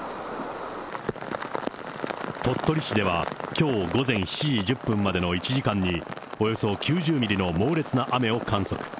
鳥取市では、きょう午前７時１０分までの１時間に、およそ９０ミリの猛烈な雨を観測。